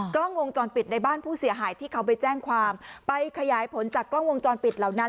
กล้องวงจรปิดในบ้านผู้เสียหายที่เขาไปแจ้งความไปขยายผลจากกล้องวงจรปิดเหล่านั้น